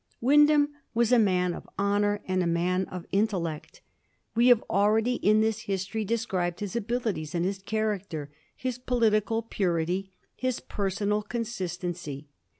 Wynd ham was a man of honor and a man of intellect. We have already in this history described his abilities and his character, his political purity, his personal consistency.